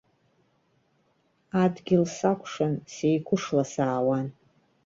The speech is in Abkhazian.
Адгьыл сакәшан, сеиқәышла саауан.